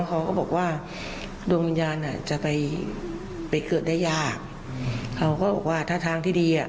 เขาก็บอกว่าดวงวิญญาณอ่ะจะไปไปเกิดได้ยากเขาก็บอกว่าถ้าทางที่ดีอ่ะ